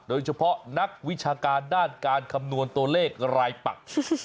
โดยเฉพาะนักวิชาการด้านการคำนวณตัวเลขรายปัก